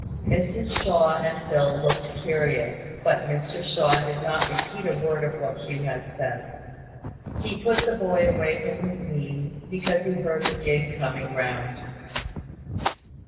Mrs Shaw and Phil looked curious; but Mr Shaw did not repeat a word of what Hugh had said. He put the boy away from his knees, because he heard the gig coming round.